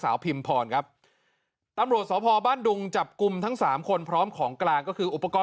สาวพิมพร้อมทัมโรศะพอบ้านดุงจับกุมทั้ง๓คนพร้อมของกลางก็คือ